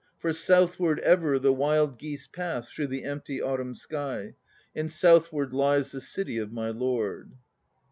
For southward ever The wild geese pass Through the empty autumn sky; and southward lies The city of my lord.